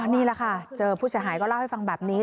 นี่แหละค่ะเจอผู้เสียหายก็เล่าให้ฟังแบบนี้